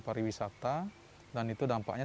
pariwisata dan itu dampaknya